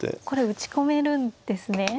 これ打ち込めるんですね。